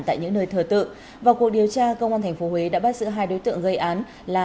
tại những nơi thờ tự vào cuộc điều tra công an tp huế đã bắt giữ hai đối tượng gây án là